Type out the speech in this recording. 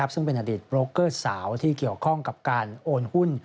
ซึ่งเป็นอดีตโปรเกอร์สาวที่เกี่ยวข้องกับการโอนหุ้น